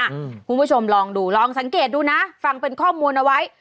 คุณผู้ชมลองดูลองสังเกตดูนะฟังเป็นข้อมูลเอาไว้